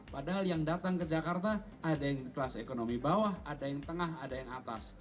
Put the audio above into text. padahal yang datang ke jakarta ada yang kelas ekonomi bawah ada yang tengah ada yang atas